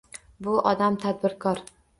Bu odam tadbirkor